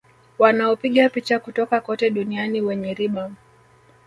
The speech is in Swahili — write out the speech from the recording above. Wanaopiga picha kutoka kote duniani wenye riba